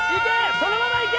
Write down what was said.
そのままいけ！